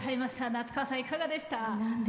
夏川さん、いかがでした？